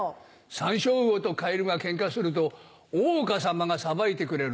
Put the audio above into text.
サンショウウオとカエルがケンカすると大岡様が裁いてくれる。